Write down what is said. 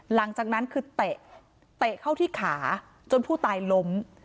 หลังจากนั้นคือเตะเตะเข้าที่ขาจนผู้ตายล้ม